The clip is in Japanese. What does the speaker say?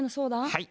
はい。